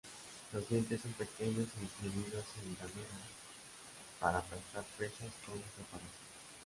Los dientes son pequeños y distribuidos en damero para aplastar presas con caparazón.